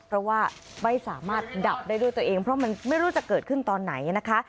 เพราะว่าไม่สามารถดับได้ด้วยตัวเองเพราะมันไม่รู้จะเกิดขึ้นตอนไหนนะคะ